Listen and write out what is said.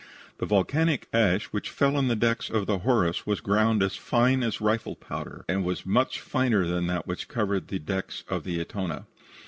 The volcanic ash which fell on the decks of the Horace was ground as fine as rifle powder, and was much finer than that which covered the decks of the Etona.